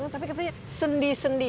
tapi ketika sendi sendi